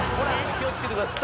気をつけてください